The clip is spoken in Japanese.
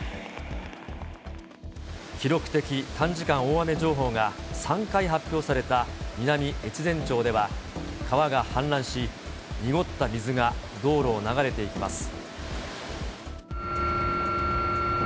記録的短時間大雨情報が３回発表された南越前町では、川が氾濫し、濁った水が道路を流れていきます。